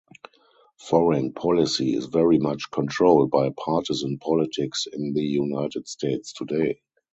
Foreign policy is very much controlled by partisan politics in the United States today.